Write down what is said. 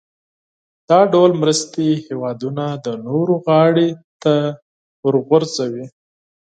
دا ډول مرستې هېوادونه د نورو غاړې ته ورغورځوي.